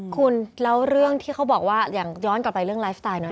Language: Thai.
คุณแล้วเรื่องที่เขาบอกว่าอย่างย้อนกลับไปเรื่องไลฟ์สไตล์เนอ